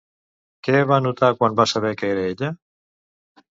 Què va notar, quan va saber que era ella?